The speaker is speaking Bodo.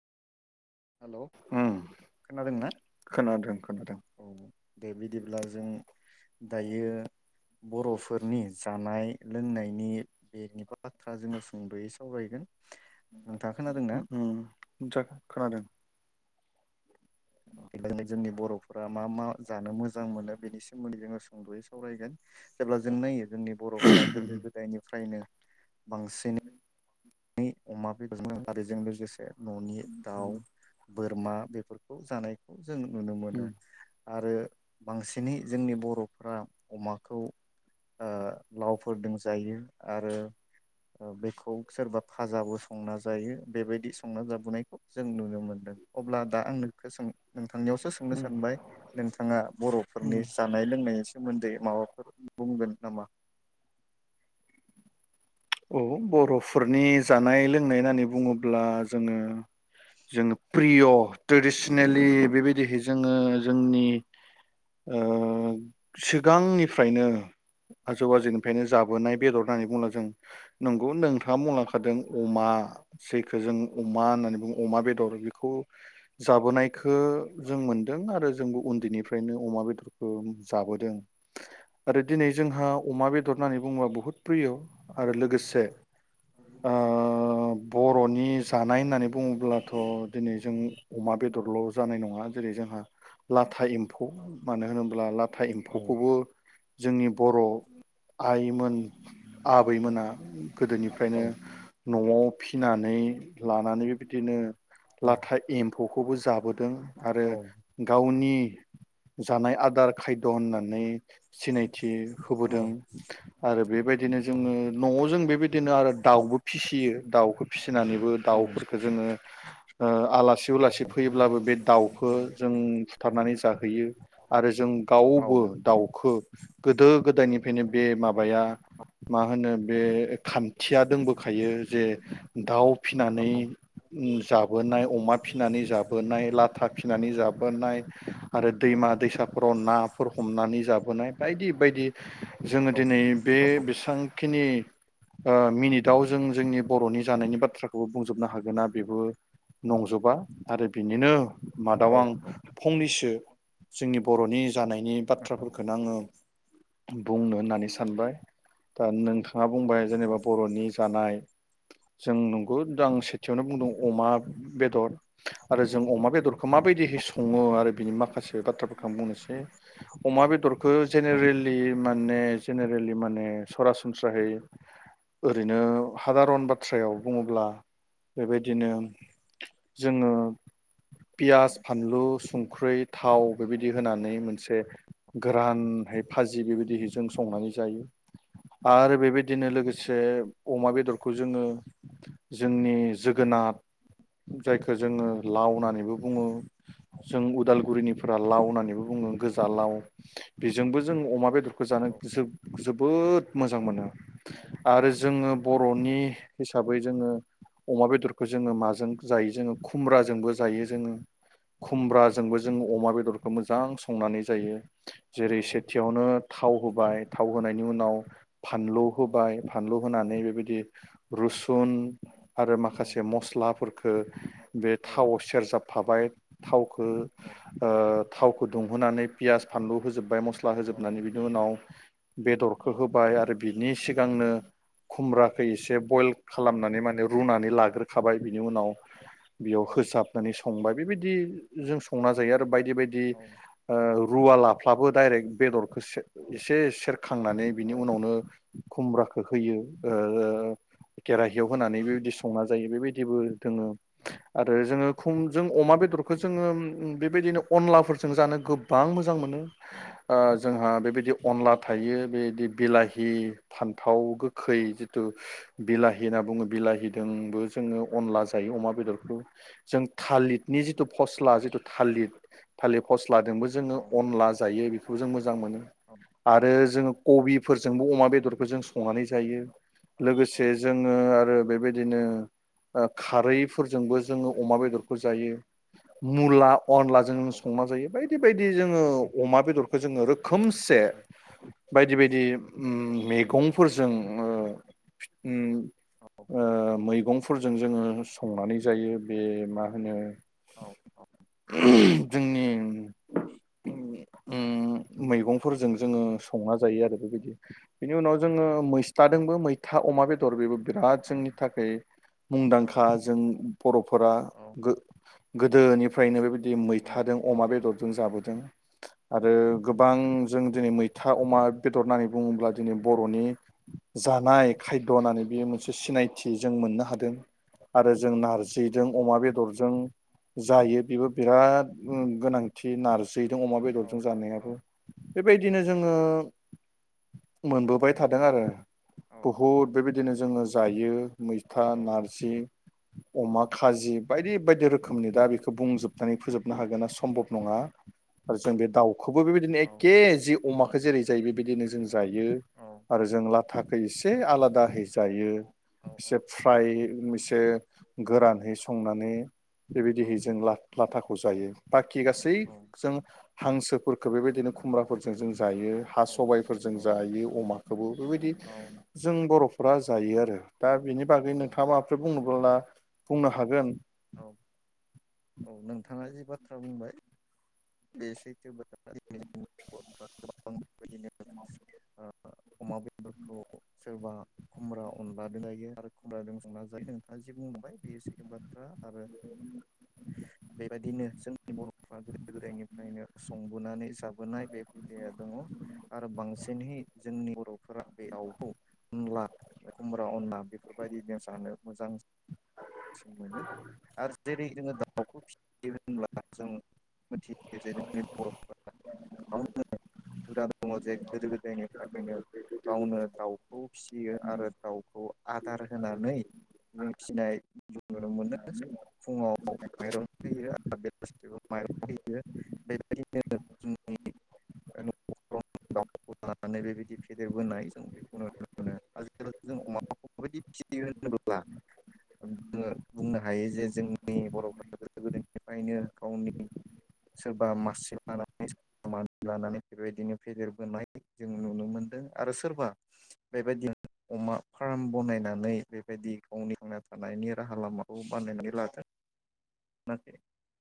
हेलौ उम खोनादोंना खोनादों खोनादों औ दे बिदिब्ला जों दायो बर'फोरनि जानाय लोंनायनि बेगनि बाथ्रा जोङो सुंद'यै सावरायगोन नोंथाङा खोनादोंना ओम ओम जा खोनादों [unintelligible] जोंनि बर'फोरा मा मा जानो मोजां मोनो बेनि सोमोनदै जोङो सुंद'यै सावरायगोन जेब्ला जों नायो जोंनि बर'फ्रा उम गोदो गोदायनिफ्रायनो बांसिनै नै अमा बेदरजों आरो बेजों लोगोसे न'नि दाउ उम बोरमा बेफोरखौ जानायखौ जों नुनो मोनो आरो बांसिनै जोंनि बर'फ्रा अमाखौ ओ लावफोरदों जायो आरो बेखौ सोरबा फाजाबो संना जायो बेबायदि संना जाबोनायखौ जों नुनो मोनदों अब्ला दा आं नखौ नोंथांनियावसो सोंनो उम सानबाय नोंथाङा बर'फोरनि उम जानाय लोंनायनि सोमोन्दै माबाफोर बुंगोन नामा? औ बर'फोरनि जानाय लोंनाय होननानै बुङोब्ला जोङो जोङो प्रिअ ट्रेदिसिनेलि बेबायदि जोङो जोंनि ओ सिगांनिफ्रायनो आजौ आजौनिफ्रायनो जाबोनाय बेदर होननानै बुङो जों नंगौ नों हा मलांखादों अमा जायखौ जों अमा होननानै बुङो अमा बेदर बेखौ जाबोनाय खो जों मोनदों आरो जोंबो उन्दैनिफ्रायनो अमा बेदरखौ जाबोदों आरो दिनै जोंहा अमा बेदर होननानै बुङोब्ला बहुद प्रिय' आरो लोगोसे ओ बर'नि जानाय होननानै बुङोब्लाथ' दिनै जों अमा बेदरल' जानाय नङा जेरै- जोंहा ला था एम्फौ मानो होनोब्ला लाथा औ एम्फौखौबो जोंनि बर' आइमोन आबैमोना औ गोदोनिफ्रायनो न'आव फिनानै लानानै बे बादिनो औ लाथा एम म्फौखौबो जाबोदों। आरो औ गावनि जानाय आदार खायद' होननानै सिनायथि होबोदों आरो बेबाय औ जोङो न' अ जों बेबायदिनो आरो दाउबो फिसियो दाउखौ फिस नानैबो औ दाउफोरफोरखो जोङो ओ आला सि उलासि फैयोब्लाबो बे दाउखो जों फुथारनानै जाहैयो आरो जों औ गावबो औ दाउखो गोदो गोदायनिफ्रायनो बे माबाया मा होनो बे खान्थिया दोंबोखायो जे दाउ फिनानै जाबोनाय अमा फिसिनानै जाबोनाय ला था फिनानै जाबोनाय आरो दैमा-दैसाफोराव नाफोर हमनानै जाबोनाय बायदि बायदि। जोङो दिनै बे बेस बांखिनि ओ मिनिटाव जों जोंनि बर'नि जानायनि बाथ्राखौ बुंजोबनो हागोन ना बेबो नंजोबा आरो बिनिनो मादाव आं फंनैसो जोंनि बर'नि जानायनि बाथ्राफोरखोनो आङो बुंनो होननानै सानबाय दा नोंथाङा बुंबाय जेनेबा बर'नि जानाय जों नंगो आं सेथियावनो बुंदों अमा बेदर आरो जों अमा बेदरखो माबायदिहै सङो आरो बिनि माखासे बाथ्राफोरखो आं बुंनोसै। अमा बेदर खो जेनेरेलि माने जेनेरेलि माने सरासनस्राहै ओरैनो खादारन बाथ्रायाव बुङोब्ला बेबायदिनो जोङो पियास, फानलु, संख्रै, थाव बेबायदि होनानै मोनसे गोरानहै फाजि बेबायदिहै जों संनानै जायो। आरो बेबायदिनो लोगोसे अमा बेदरखौ जोङो जोंनि जोगोनाद जायखौ जोङो लाव होननानैबो बुङो। जों उदालगुरिनि फोरा औ लाव होननानैबो बुङो। गोज जालाव बेजोंबो जों अमा बेदरखौ जानो जो जोबोद मोजां मोनो आरो जोङो बर'नि हिसाबै जोङो अमा बेदरखो जोङो माजों जायो जोङो खुमब्राजोंबो जायो जोङो। खुमब्राजोंबो जों अमा बेद दरखौ मोजां संनानै जायो। जेरै सेथियावनो थाव हम होबाय थाव होनायनि उनाव फानलु होबाय फानलु होना होनानै बेबायदि रुसुन आरो माखासे मसलाफोरखौ हो बे थावआव सेरजाबफाबाय थाव खो औ ओ थावखौ दुंहोनानै पियास फानलु होजोबबाय मस स्ला होजोबनानै बिनि उनाव बेदरखौ होब बाय आरो बिनि सिगांनो खुमब्राखो एसे बइल खालामनानै माने रुनानै लाग्रोखाबाय बिनि उनाव बेयाव होसाबनानै संबाय बेबायदि जों संना जायो आरो बायद बायदि बायदि ओ रुवालाफ्लाबो दाडाइरेक बेदरखौ से एसे सेरखांनानै औ बिनि उनावनो खुमब्राखो होयो ओ ओ केेराहियाव होनानै बेबायदि संना जायो बेबायदिबो दोङो औ आरो जोङो खुंजों अमा बेदरखौ जोङो उम-उम बेबायदिनो अनलाफोरजों जानो गोबां मोजां मोनो ओ जोंहा बेबायद दि औ अनला थायो बेदि बिलाहि फान्थाव गोखै जिथु बिलाहि होनना बुङो बिलाहिदोंबो जोङो अनला जायो अमा बेदरखौ जों थालितनि जि फस्ला जिथु थालित थालिथ फस स्लाजोंबो जोङो अनला जायो। खौ जों म मोजां मोनो आरो जों कबि फोरजोंबो अमा बेदरखौ जों संनानै जायो। लोगोसे जोङो आरो बेबायदिनो ओ खारैफोरजोंबो जोङो अमा बेदरखौ जायो मुला अनलाजों संना जायो बायदि बेबायदि जोङो अमा बेदरखौ जोङो रोखोमसे बायदि बायदि उम मेगंफोर जों उम आ मै मैगंफोरजों जोङो संनानै जायो बे मा होनो [unintelligible] जोंनि म मैगंफोरजों जोङो संना जायो आरो बेबायदि। [inaudible] बिनि उनाव जोङो मैसथाजोंबो मैथा अमा बे [unintelligible] बिराद जोंनि थाखै मुंदांखा जों बर'फोरा गो गोदोनिफ्रायनो बेबाय दि मैथादों अमा बेदर। जाबोदों आरो गोबां जों दिनै मैथा अमा बेदरनानै बुङोब्ला दिनै बर'नि जानाय खायद' होननानै बे मोनसे सिनायथि जों मोननो हादों। आरो जों नारजिजों अमा बेदरजों जों जायो बेबो बिराद गोनांथि नारजि दैैदों अमा बेदरजों जानायाबो बेबायदिनो जोङो मोनबोबाय थादों आरो बुहुद बेबायदिनो जोङो जायो। मैथा औ नारजि औ अमा औ खाजि बायदि बेबायायदि रोखोमनि दा बेखौ बुंजोबनानै फोजोबनो हागोना सम्भब नङा आरो जों बे दाउ खौबो बेबायदिनो एखे जि अमाखौ जेरै जायो बेबायदिनो जों आरो जों लाथा एसे आलादाहै जायो एसे फ्राय से गोरानहै संनानै बेबायदिहै जों ला लाथाखौ जायो खि गासै जों हांसोफोरफोरखौ बेबायदिनो खुमब्राफोरजों जों जायो हा सबाइ जायो अमाखौबो बेबायदि जों बर'फोरा जायो आरो दा बेनि बागै नोंथाङा माफोर बुं बुंनो हागोन नोंथाङा जि बाथ्रा बुंबाय बे सैथो बाथ्रा [inaudible] [inaudible] अमा बेदरखौ सोरबा खुमब्रा अनला दजायो आरो खुमब्रा दोंसंना जायो नोंथाङा जि बुंलांबाय बेयो सैथो बाथ्रा आरो बेबायदिनो जोंनि बर'फ्रा गोदो गोदायनिफ्रायनो संबोनानै जाबोनाय बे हुदाया दङ आरो बांसिनहै जोंनि बर'फोरा बे आवखौ अनला खुमब्रा अनला बेफोरबायदिनो जानो मोजां [inaudible] जेरै जोङो दाउखौ फिसियो होनब्ला जों मिथि जेरै बर' [inaudible] गावनो उदां दङ जे गोदो गोदायनिफ्रायनो गावनो दाउखौ फिसियो आरो दाउखौ आदार होनानै जों फिसिनाय जों नुनो मोनो। फुङाव माइरं होयो आरो बेलासिबो माइरं होयो बेबायदिनो जोंनि द लानानै बेबायदि फेदेरबोनाय जों बेखौ नुनो मोनो आजिखालि जों अमाखौ माबायदि फिसियो होनोब्ला जोङो बुंनो हायो जे जोंनि बर' फोरा गोदोनिफ्रायनो गावनि सोरबा मासे लानानैा मानसि लानानै बेबायदिनो फेदेरबोनाय जों नुनो मोनदों आरो सोरबा बेबायदिनो अमा फार्म बनायनानै बेबायदि गावनि थांना थानायनि राहा लामा बु बानायनानै लादों [inaudible]